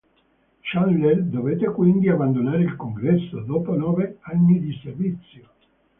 Chandler dovette quindi abbandonare il Congresso dopo nove anni di servizio.